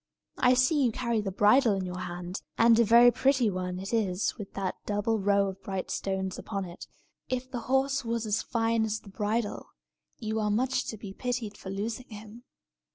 I see you carry the bridle in your hand; and a very pretty one it is with that double row of bright stones upon it. If the horse was as fine as the bridle, you are much to be pitied for losing him."